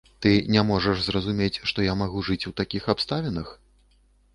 Ты не можаш зразумець, што я магу жыць у такіх абставінах?